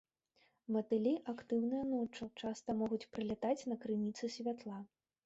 Матылі актыўныя ноччу, часта могуць прылятаць на крыніцы святла.